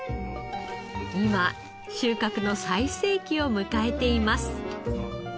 今収穫の最盛期を迎えています。